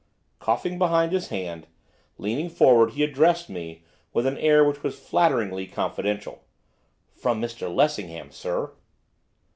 Coughing behind his hand, leaning forward, he addressed me with an air which was flatteringly confidential. 'From Mr Lessingham, sir.